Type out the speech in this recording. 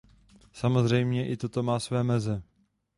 Samozřejmě i toto má své meze.